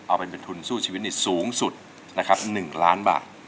เอาเป็นทุนสู้ชีวิตสูงสุดนะครับ๑ล้านบาท